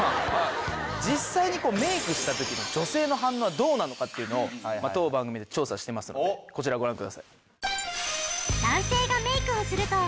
実際にメイクした時の女性の反応はどうなのかっていうのを当番組で調査してますのでこちらをご覧ください。